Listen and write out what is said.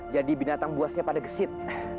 jadi binatang buasnya pada gesit